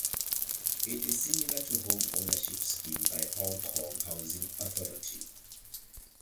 It is similar to Home Ownership Scheme by Hong Kong Housing Authority.